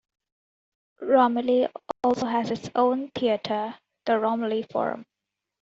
Romiley also has its own theatre, the Romiley Forum.